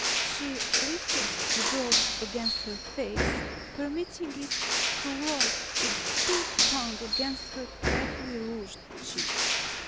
She lifted the dog against her face, permitting it to loll its pink tongue against her carefully rouged cheek.